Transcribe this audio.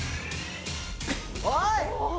おい！